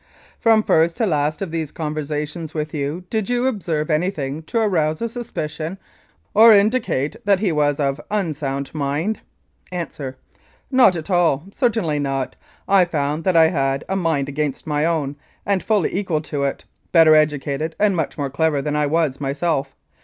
From first to last of these conversations with you, did you observe anything to arouse a suspicion or indicate that he was of unsound mind? A. Not at all certainly not. I found that I had a mind against my own, and fully equal to it ; better educated and much more clever than I was myself.